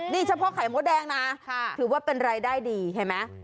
นี่เฉพาะไข่มดแดงนะถือว่าเป็นรายได้ดีเห็นไหม